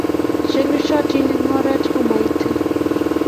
Che lusyotin eng' oret komaite